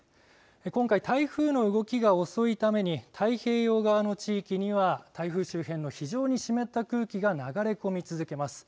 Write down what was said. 今回台風の動きが遅いために太平洋側の地域には台風周辺の非常に湿った空気が流れ込み続けます。